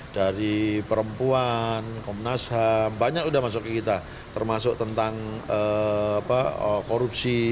dari perempuan komnas ham banyak sudah masuk ke kita termasuk tentang korupsi